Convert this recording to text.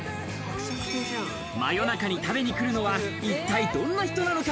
夜中に食べに来るのは一体どんな人なのか？